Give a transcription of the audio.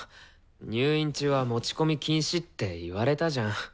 入院中は持ち込み禁止って言われたじゃん。